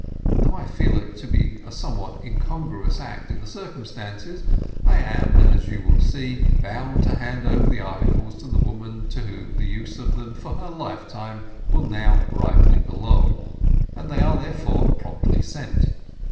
Though I feel it to be a somewhat incongruous act in the circumstances, I am, as you will see, bound to hand over the articles to the woman to whom the use of them for her lifetime will now rightly belong, and they are therefore promptly sent.